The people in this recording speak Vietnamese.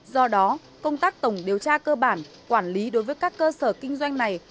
do đó công tác tổng điều tra cơ bản quản lý đối với các cơ sở kinh doanh này